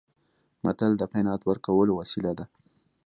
متل د قناعت ورکولو وسیله ده